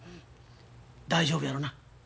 大丈夫やろな？